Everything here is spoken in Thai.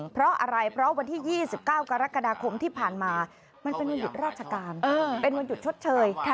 เพราะอะไรเพราะวันที่๒๙กรกฎาคมที่ผ่านมามันเป็นวันหยุดราชการเป็นวันหยุดชดเชย